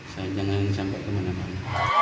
saya jangan sampai kemana mana